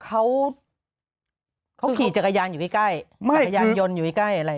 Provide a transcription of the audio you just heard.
เขาเขาขี่จักรยานอยู่ใกล้จักรยานยนต์อยู่ใกล้อะไร